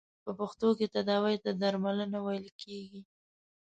په پښتو کې تداوې ته درملنه ویل کیږی.